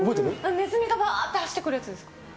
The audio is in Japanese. ネズミがばーっと走ってくるやつ？